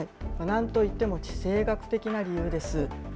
なんといっても地政学的な理由です。